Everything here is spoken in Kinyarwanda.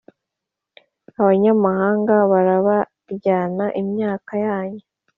abanyamahanga barabaryana imyaka yanyu